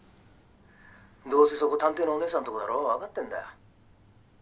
どうせそこ探偵のおねえさんとこだろわかってんだよ。